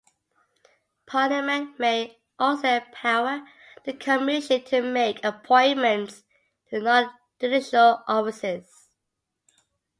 Parliament may also empower the Commission to make appointments to non-judicial offices.